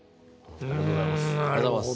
ありがとうございます。